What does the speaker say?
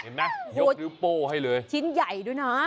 เห็นไหมยกหรือโป้ให้เลยชิ้นใหญ่ด้วยนะ